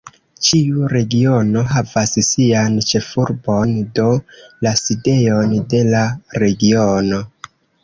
Ĉiu regiono havas sian "ĉefurbon", do la sidejon de la regiono.